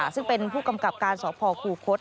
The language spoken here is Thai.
ซึ่งเป็นผู้กำกับการสอบพอคู่โคตร